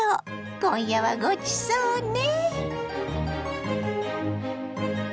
今夜はごちそうね。